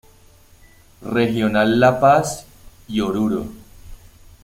Regional La Paz y Oruro.